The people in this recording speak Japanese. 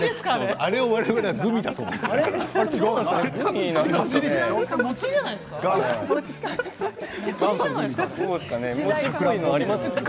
あれを我々はグミだとお餅ですかね。